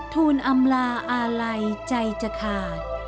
ทูลอำลาอาลัยใจจะขาด